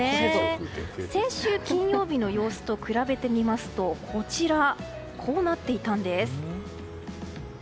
先週金曜日の様子と比べてみますとこうなっていたんです。